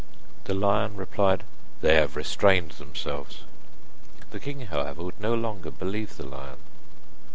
The lion replied: 'They have restrained themselves.' The king, however, would no longer believe the lion.